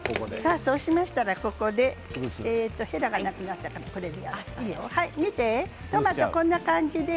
そうしましたらここでヘラがなくなったからこれで。